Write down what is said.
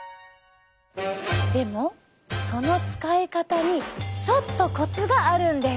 でもその使い方にちょっとコツがあるんです。